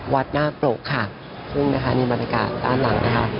หน้าปรกค่ะซึ่งนะคะนี่บรรยากาศด้านหลังนะคะ